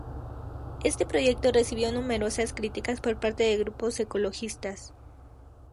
Este proyecto recibió numerosas críticas por parte de grupos ecologistas..